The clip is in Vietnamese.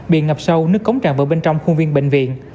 bị ngập sâu nước cống tràn vào bên trong khu viện bệnh viện